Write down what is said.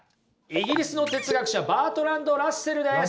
イギリスの哲学者バートランド・ラッセルです。